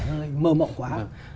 hơi mờ mộng quá